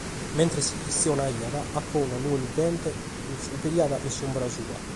Mentras chi chistionaiat, acò una nue lughente ddos coberiat cun s’umbra sua.